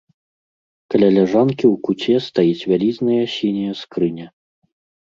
Каля ляжанкі ў куце стаіць вялізная сіняя скрыня.